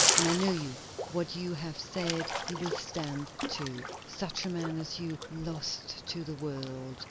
"And I know you; what you have said you will stand to. Such a man as you! lost to the world!"